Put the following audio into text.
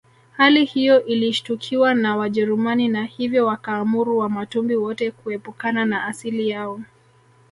Hali hiyo ilishtukiwa na Wajerumani na hivyo wakaamuru Wamatumbi wote kuepukana na asili yao